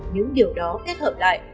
những điều đó kết hợp lại